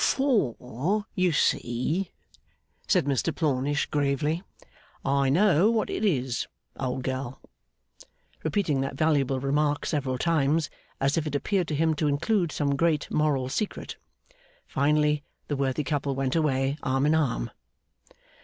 'For, you see,' said Mr Plornish, gravely, 'I know what it is, old gal;' repeating that valuable remark several times, as if it appeared to him to include some great moral secret. Finally, the worthy couple went away arm in arm.